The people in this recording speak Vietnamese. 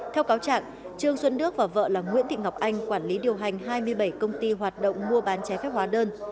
theo cáo trạng trương xuân đức và vợ là nguyễn thị ngọc anh quản lý điều hành hai mươi bảy công ty hoạt động mua bán trái phép hóa đơn